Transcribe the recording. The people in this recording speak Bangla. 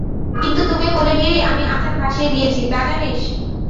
কিন্তু তোকে কোলে নিয়েই আমি আচার ভাসিয়ে দিয়েছি তা জানিস?